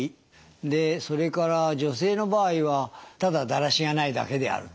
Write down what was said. でそれから女性の場合はただだらしがないだけであると。